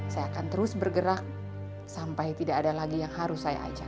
saya akan terus bergerak sampai tidak ada lagi yang harus saya ajak